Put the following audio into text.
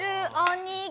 「にぎ」